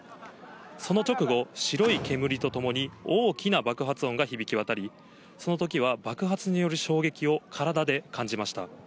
その直後、白い煙とともに大きな爆発音が響き渡り、そのときは爆発による衝撃を体で感じました。